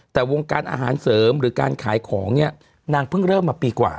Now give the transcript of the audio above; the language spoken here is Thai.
แต่วงการอาหารเสริมหรือการขายของเนี่ยนางเพิ่งเริ่มมาปีกว่า